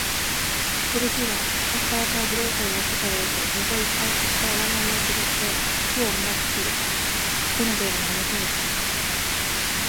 あくる日は、朝っぱらから、グレーテルはそとへ出て、水をいっぱいはった大鍋をつるして、火をもしつけなければなりませんでした。